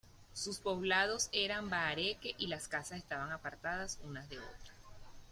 Sus poblados eran de bahareque y las casas estaban apartadas unas de otras.